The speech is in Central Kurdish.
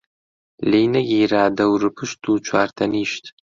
لێی نەگیرا دەوروپشت و چوار تەنیشت،